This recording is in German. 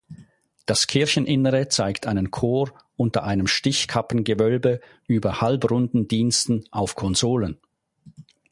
Das Kircheninnere zeigt einen Chor unter einem Stichkappengewölbe über halbrunden Diensten auf Konsolen.